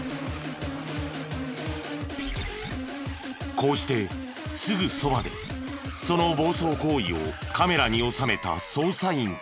こうしてすぐそばでその暴走行為をカメラに収めた捜査員たち。